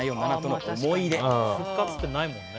復活ってないもんね。